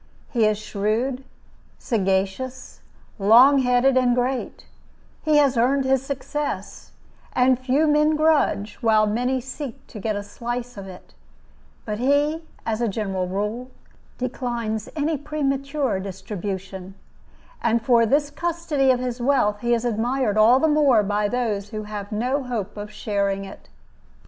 He is shrewd, sagacious, long headed, and great; he has earned his success, and few men grudge, while many seek to get a slice of it; but he, as a general rule, declines any premature distribution, and for this custody of his wealth he is admired all the more by those who have no hope of sharing it.